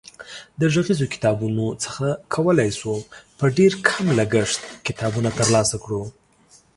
د غږیزو کتابتونونو څخه کولای شو په ډېر کم لګښت کتابونه ترلاسه کړو.